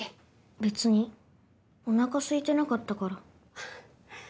別にお腹すいてなかったから。